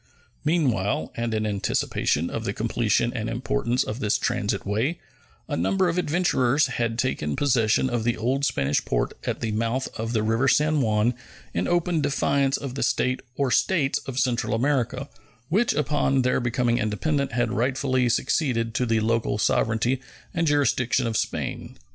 Meanwhile, and in anticipation of the completion and importance of this transit way, a number of adventurers had taken possession of the old Spanish port at the mouth of the river San Juan in open defiance of the State or States of Central America, which upon their becoming independent had rightfully succeeded to the local sovereignty and jurisdiction of Spain.